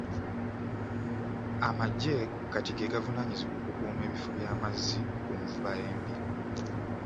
Amaggye Kati ge gavunaanyizibwa okukuuma ebifo by'amazzi ku nvuba embi.